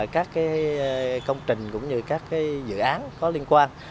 các công trình cũng như các dự án có liên quan